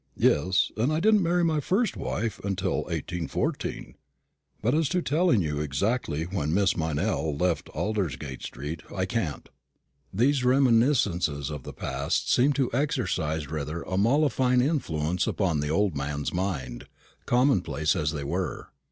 Yes and I didn't marry my first wife till 1814. But as to telling you exactly when Miss Meynell left Aldersgate street, I can't." These reminiscences of the past seemed to exercise rather a mollifying influence upon the old man's mind, commonplace as they were.